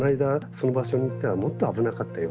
その場所に行ったらもっと危なかったよ。